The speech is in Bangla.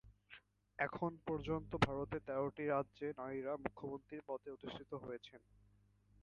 এখন পর্যন্ত ভারতে তেরটি রাজ্যে নারীরা মুখ্যমন্ত্রীর পদে অধিষ্ঠিত হয়েছেন।